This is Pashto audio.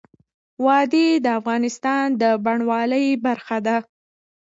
وادي د افغانستان د بڼوالۍ برخه ده.